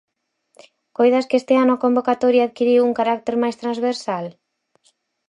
Coidas que este ano a convocatoria adquiriu un carácter máis transversal?